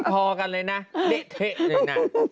พอกันเลยนะเละเทะเลยนะ